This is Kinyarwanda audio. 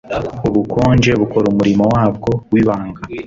Ubukonje bukora umurimo wabwo wibanga